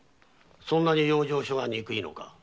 そんなに養生所が憎いのか？